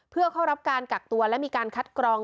เพื่อเข้ารับการกักตัวและมีการคัดกรอง